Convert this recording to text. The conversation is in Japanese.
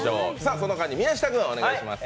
その間に宮下君お願いします。